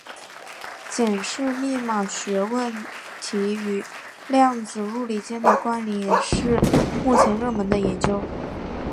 检视密码学问题与量子物理间的关连也是目前热门的研究。